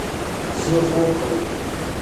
زه خوب کوم